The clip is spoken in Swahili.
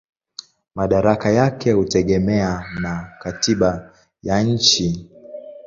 Madaraka yake hutegemea na katiba ya nchi.